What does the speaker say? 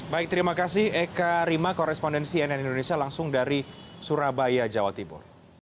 baik terima kasih eka rima korespondensi nn indonesia langsung dari surabaya jawa timur